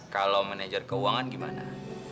kalau manajer keuangan gimana